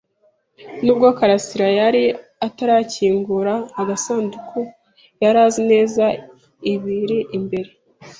Nubwo karasira yari atarakingura agasanduku, yari azi neza ibiri imbere.